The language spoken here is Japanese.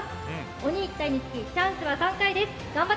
鬼１体につきチャンスは３回です。